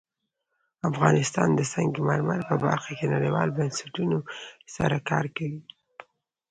افغانستان د سنگ مرمر په برخه کې نړیوالو بنسټونو سره کار کوي.